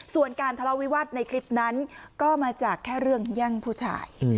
ส่วนการทะเลาวิวาสในคลิปนั้นก็มาจากแค่เรื่องแย่งผู้ชาย